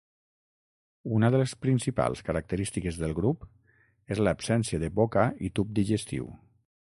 Una de les principals característiques del grup és l'absència de boca i tub digestiu.